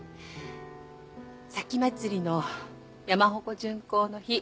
前祭の山鉾巡行の日。